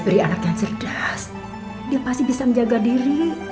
beri anak yang cerdas dia pasti bisa menjaga diri